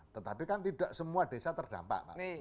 tetapi kan tidak semua desa terdampak